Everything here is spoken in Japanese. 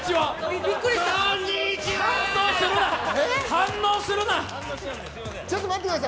反応するな！